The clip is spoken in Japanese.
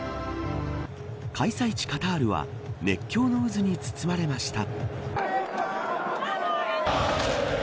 開催地、カタールは熱狂の渦に包まれました。